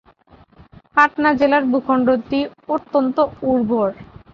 পাটনা জেলার ভূখণ্ডটি অত্যন্ত উর্বর।